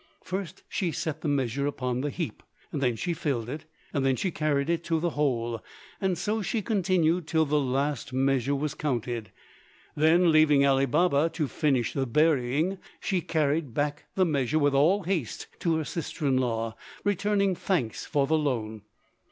First she set the measure upon the heap, then she filled it, then she carried it to the hole; and so she continued till the last measure was counted. Then, leaving Ali Baba to finish the burying, she carried back the measure with all haste to her sister in law, returning thanks for the loan.